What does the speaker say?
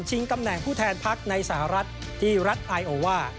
ตำแหน่งผู้แทนพักในสหรัฐที่รัฐไอโอว่า